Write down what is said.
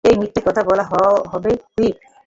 এটা মিথ্যা কথা বলা হবে, হুইপ।